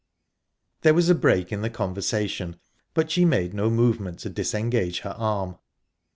There was a break in the conversation, but she made no movement to disengage her arm.